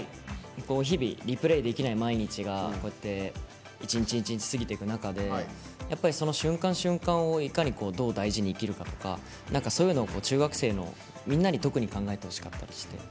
日々リプレーできない毎日が一日一日、過ぎていく中でその瞬間、瞬間をいかにどう大事に生きるかとか特にみんな、中学生に考えてほしかったりして。